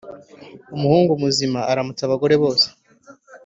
Umuhungu muzima aramutsa abagore bose